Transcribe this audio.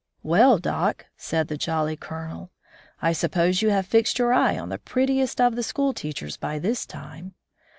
" WeU, doc," said the jolly Colonel, "I sup pose you have fixed your eye on the prettiest of the school teachers by this time